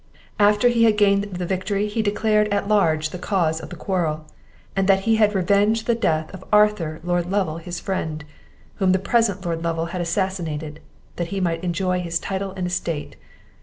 After he had gained the victory he declared at large the cause of the quarrel, and that he had revenged the death of Arthur Lord Lovel his friend, whom the present Lord Lovel had assassinated, that he might enjoy his title and estate.